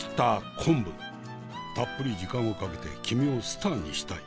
「たっぷり時間をかけて君をスターにしたい」。